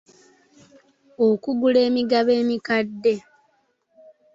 Okugula emigabo emikadde.